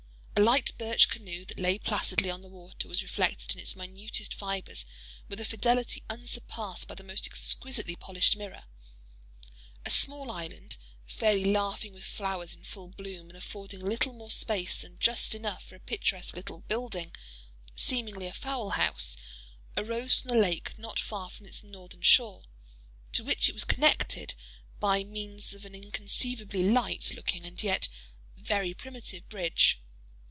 A light birch canoe that lay placidly on the water, was reflected in its minutest fibres with a fidelity unsurpassed by the most exquisitely polished mirror. A small island, fairly laughing with flowers in full bloom, and affording little more space than just enough for a picturesque little building, seemingly a fowl house—arose from the lake not far from its northern shore—to which it was connected by means of an inconceivably light looking and yet very primitive bridge.